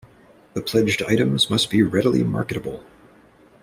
The pledged items must be readily marketable.